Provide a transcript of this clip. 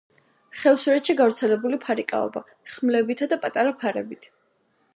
ხევსურეთში გავრცელებული ფარიკაობა ხმლებითა და პატარა ფარებით.